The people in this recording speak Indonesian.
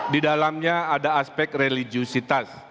di dalamnya ada aspek religiositas